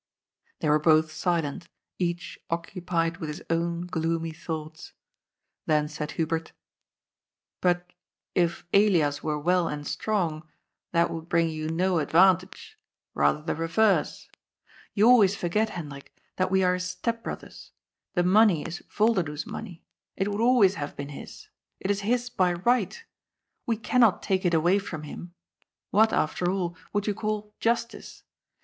They were both silent, each occupied with his own gloomy thoughts. Then said Hubert :^' But, if Elias were well and strong, that would bring you no advantage. Bather the reverse. You always forget, Hendrik, that we are his step brothers. The money is Volderdoes money. It would always have been his. It is his by right. We cannot take it away from him. What, after all, would you call * justice